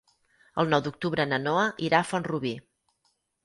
El nou d'octubre na Noa irà a Font-rubí.